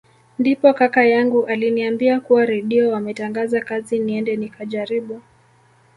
Ndipo kaka yangu aliniambia kuwa Redio wametangaza kazi niende nikajaribu